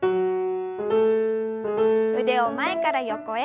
腕を前から横へ。